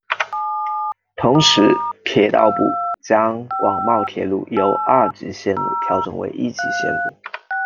同时铁道部将广茂铁路由二级线路调整为一级线路。